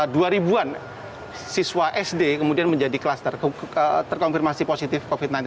dua ribuan siswa sd kemudian menjadi klaster terkonfirmasi positif covid sembilan belas